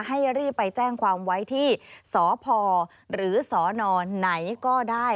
ให้รีบไปแจ้งความไว้ที่สพหรือสนไหนก็ได้